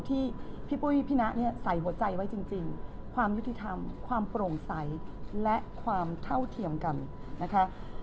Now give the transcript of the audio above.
ที่พี่ปุ้ยพี่นะเนี่ยใส่หัวใจไว้จริงความยุติธรรมความโปร่งใสและความเท่าเทียมกันนะคะ